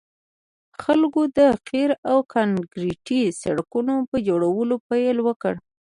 خلکو د قیر او کانکریټي سړکونو په جوړولو پیل وکړ